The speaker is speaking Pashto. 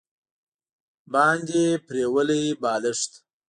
باندې پریولي بالښت